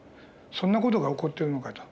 そんな事が起こってるのかと。